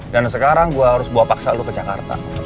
dan sekarang gue harus bawa paksa lo ke jakarta